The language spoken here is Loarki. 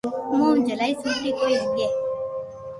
اووہ جھلائي سوٽي ڪوئي ھگي